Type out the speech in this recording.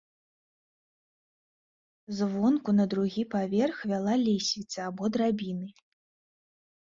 Звонку на другі паверх вяла лесвіца або драбіны.